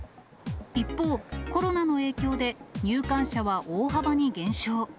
一方、コロナの影響で入館者は大幅に減少。